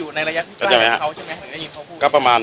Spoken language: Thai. สุดท้ายสุดท้าย